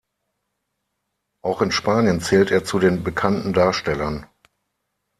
Auch in Spanien zählt er zu den bekannten Darstellern.